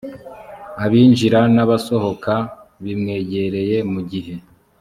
abinjira n ‘abasohohoka bimwegereye mu gihe